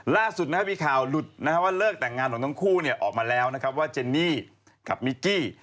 ล่าสุดนะครับมีข่าวหลุดว่าเลิกแต่งงานของทั้งคู่ออกมาแล้วนะครับว่าเจนนี่กับมิกกี้